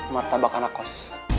martabak anak kos